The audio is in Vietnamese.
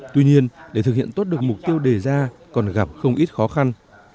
tuy nhiên để thực hiện tốt được mục tiêu đề ra còn gặp không ít khó khăn